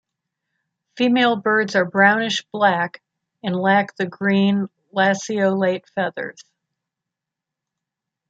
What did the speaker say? Female birds are brownish black and lack the green lanceolate feathers.